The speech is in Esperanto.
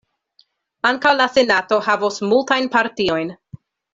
Ankaŭ la Senato havos multajn partiojn.